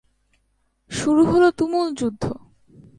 শুরু হলো তুমুল যুদ্ধ।